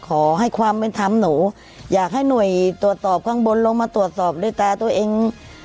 ขอให้ความเป็นธรรมหนูอยากให้หน่วยตรวจสอบข้างบนลงมาตรวจสอบด้วยตาตัวเอง